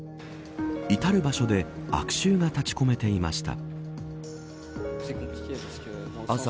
至る場所で悪臭が立ち込めていました。